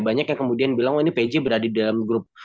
banyak yang kemudian bilang oh ini pj berada di dalam grup